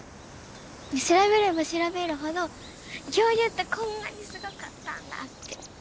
調べれば調べるほど恐竜ってこんなにすごかったんだって。